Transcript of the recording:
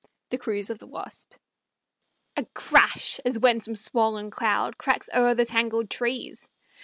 THE CRUISE OF THE "WASP" A crash as when some swollen cloud Cracks o'er the tangled trees!